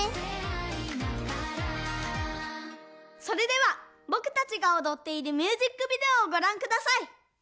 それではぼくたちがおどっているミュージックビデオをごらんください。